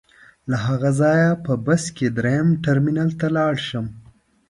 له هغه ځایه په بس کې درېیم ټرمینل ته لاړ شم.